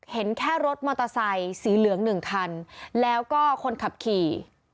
เห็นแค่รถมอเตอร์ไซค์สีเหลืองหนึ่งคันแล้วก็คนขับขี่